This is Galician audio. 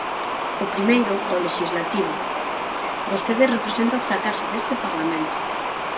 O primeiro, o lexislativo: vostede representa o fracaso deste parlamento.